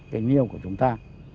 kinh nghiệm của chúng ta